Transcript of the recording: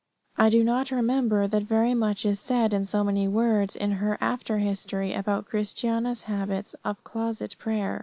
I do not remember that very much is said in so many words in her after history about Christiana's habits of closet prayer.